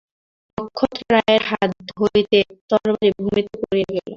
নক্ষত্ররায়ের হাত হইতে তরবারি ভূমিতে পড়িয়া গেল।